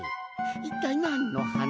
いったいなんのはなしを？